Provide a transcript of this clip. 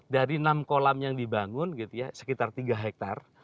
dari enam kolam yang dibangun gitu ya sekitar tiga hektare